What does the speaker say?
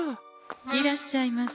いらっしゃいませ。